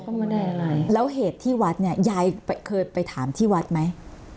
ก็ไม่ได้อะไรแล้วเหตุที่วัดเนี่ยยายเคยไปถามที่วัดไหม